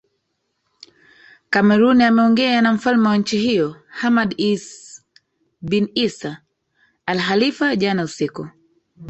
cameron ameongea na mfalme wa nchi hiyo hamadi is bin issah alhalifa jana usiku